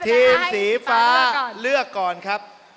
ทีมสีฟ้าเลือกก่อนครับ